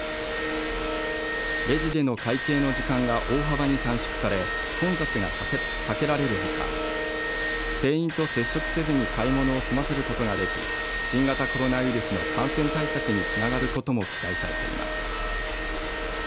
レジでの会計の時間が大幅に短縮され混雑が避けられるほか店員と接触せずに買い物を済ませることができ新型コロナウイルスの感染対策につながることも期待されています。